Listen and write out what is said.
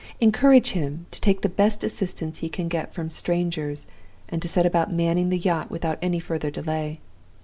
Encourage him to take the best assistance he can get from strangers, and to set about manning the yacht without any further delay.